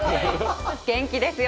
元気ですよ。